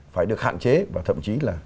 phải được hạn chế và thậm chí là